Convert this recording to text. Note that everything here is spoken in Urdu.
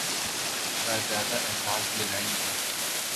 کا زیادہ احساس دلائیں گی۔